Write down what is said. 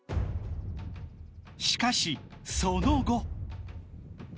しかし、その後。